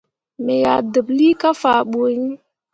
Me yah deɓlii kah faa ɓu iŋ.